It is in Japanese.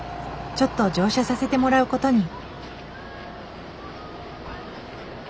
ちょっと乗車させてもらうことに。